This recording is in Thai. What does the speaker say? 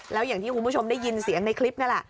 แล้วอย่างที่คุณผู้ชมได้ยินเสียงในคลิปนั่นแหละ